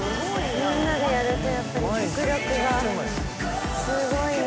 みんなでやるとやっぱり迫力がすごいね。